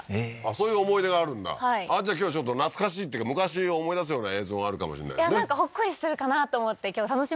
そういう思い出があるんだはいじゃあ今日懐かしいっていうか昔を思い出すような映像があるかもしれないですねなんかほっこりするかなと思って今日楽しみに来てます